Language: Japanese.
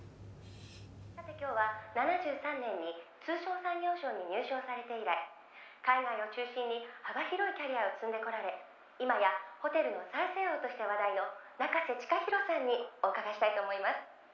「さて今日は７３年に通商産業省に入省されて以来海外を中心に幅広いキャリアを積んでこられ今やホテルの再生王として話題の仲瀬親洋さんにお伺いしたいと思います」